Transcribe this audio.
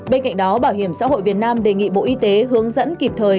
bên cạnh đó bảo hiểm xã hội việt nam đề nghị bộ y tế hướng dẫn kịp thời